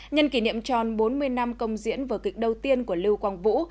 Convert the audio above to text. nhân kỷ niệm tròn bốn mươi năm công diễn vở kịch đầu tiên của lưu quang vũ